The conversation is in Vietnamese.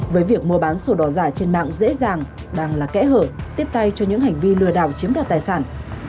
với việc mua bán sổ đỏ giả trên mạng dễ dàng đang là kẽ hở tiếp tay cho những hành vi lừa đảo chiếm đoạt tài sản